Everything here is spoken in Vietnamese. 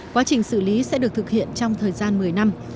quá trình xử lý sẽ được thực hiện trong thời gian một mươi năm